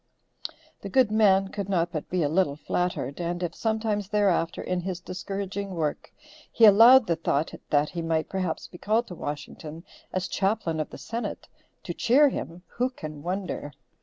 The good man could not but be a little flattered, and if sometimes, thereafter, in his discouraging work, he allowed the thought that he might perhaps be called to Washington as chaplain of the Senate, to cheer him, who can wonder.